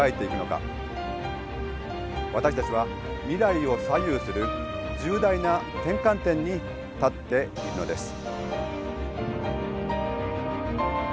私たちは未来を左右する重大な転換点に立っているのです。